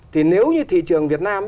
thì nếu như thị trường việt nam